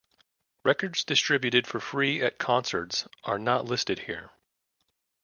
Records distributed for free at concerts are not listed here.